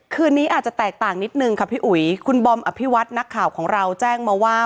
คืนนี้อาจจะแตกต่างนิดนึงค่ะพี่อุ๋ยคุณบอมอภิวัตนักข่าวของเราแจ้งมาว่า